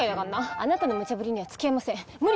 あなたのムチャブリには付き合えません無理です。